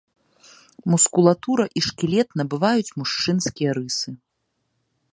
Мускулатура і шкілет набываюць мужчынскія рысы.